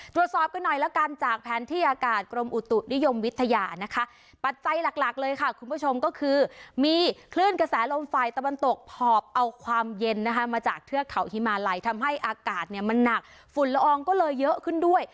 ตรวจสอบกันหน่อยแล้วกันจากแผนที่อากาศกรมอุตุนิยมวิทยานะคะปัจจัยหลักหลักเลยค่ะคุณผู้ชมก็คือมีคลื่นกระแสลมฝ่ายตะวันตกหอบเอาความเย็นนะคะมาจากเทือกเขาฮิมาลัยทำให้อากาศเนี่ยมันหนักฝุ่นละอองก็เลยเยอะขึ้นด้วย